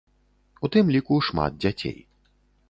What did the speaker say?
У тым ліку шмат дзяцей.